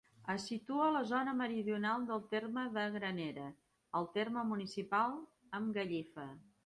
Està situat a la zona meridional del terme de Granera, al termenal municipal amb Gallifa.